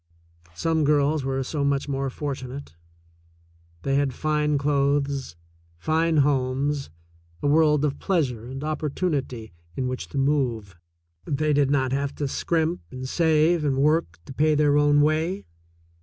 Some girls were so much more fortunate. They had fine clothes, fine homes, a world of pleasure and opportunity in which to move. They did not have to scrimp and save and work to pay their own way.